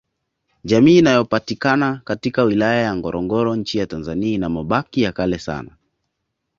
Jamii inayopatikana katika wilaya ya Ngorongoro Nchi ya tanzania ina mabaki ya kale sana